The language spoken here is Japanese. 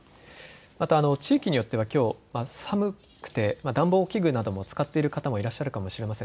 また地域によってはきょう、寒くて暖房器具なども使っている方もいらっしゃるかもしれません。